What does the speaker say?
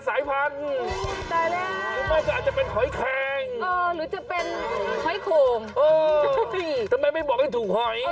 จะเป็นหอยแคงหรือจะเป็นหอยโข่มเออทำไมไม่บอกให้ถูกหอย